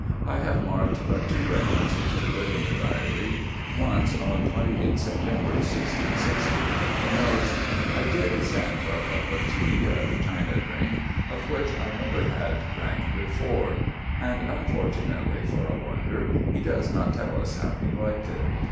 I have marked but two references to it in the Diary. Once, on 28th September, 1660, he notes: "I did send for a cup of tea (a China drink), of which I never had drank before,"—and unfortunately, for a wonder, he does not tell us how he liked it.